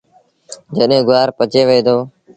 جڏهيݩ گُوآر پچي وهي دو۔